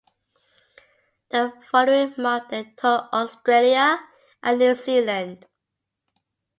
The following month they toured Australia and New Zealand.